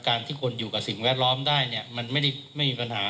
ที่คนอยู่กับสิ่งแวดล้อมได้เนี่ยมันไม่ได้ไม่มีปัญหา